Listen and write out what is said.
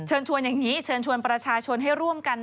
ชวนอย่างนี้เชิญชวนประชาชนให้ร่วมกัน